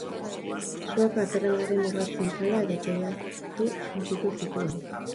Suak katedralaren orratz zentrala eta teilatu suntsitu zituen.